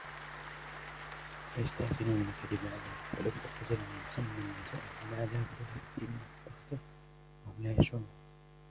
ويستعجلونك بالعذاب ولولا أجل مسمى لجاءهم العذاب وليأتينهم بغتة وهم لا يشعرون